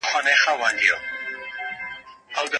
د ښځو سره يوازي د هغوی د شتمنۍ په اساس نکاحوي مه کوئ